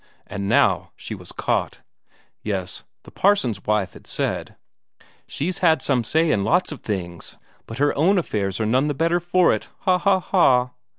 And now she was caught. Yes, the parson's wife had said, "She's had some say in lots of things but her own affairs are none the better for it, ha ha ha!"